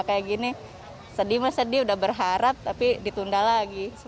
kayak gini sedih mas sedih udah berharap tapi ditunda lagi